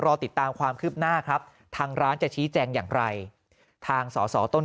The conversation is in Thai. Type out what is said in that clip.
รอติดตามความคืบหน้าครับทางร้านจะชี้แจงอย่างไรทางสอสอต้น